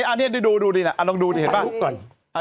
อันนี้ดูดินะลองดูดิเห็นป่ะ